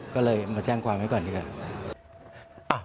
ก็เลยมาแจ้งความไว้ก่อนดีกว่า